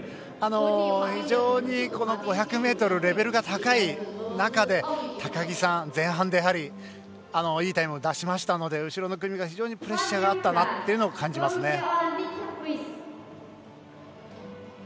非常に５００ｍレベルが高い中で高木さん、前半でいいタイムを出しましたので後ろの組が非常にプレッシャーがあったなというのを感じますね。